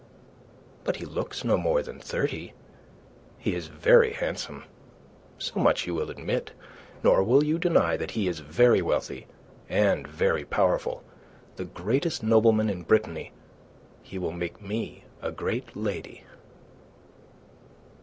"But he looks no more than thirty. He is very handsome so much you will admit; nor will you deny that he is very wealthy and very powerful; the greatest nobleman in Brittany. He will make me a great lady."